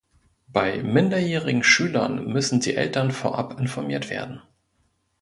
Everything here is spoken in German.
Bei minderjährigen Schülern müssen die Eltern vorab informiert werden.